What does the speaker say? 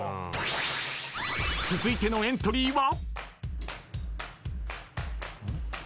［続いてのエントリーは？］